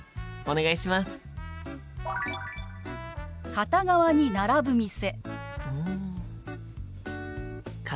片側に並ぶ店。